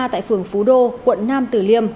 tại phường phú đô quận nam tử liêm